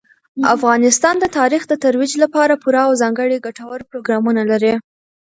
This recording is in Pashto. افغانستان د تاریخ د ترویج لپاره پوره او ځانګړي ګټور پروګرامونه لري.